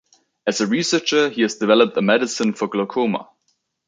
As a researcher he has developed a medicine for glaucoma.